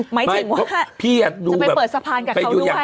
หมายถึงว่าจะไปเปิดสะพานกับเขาด้วย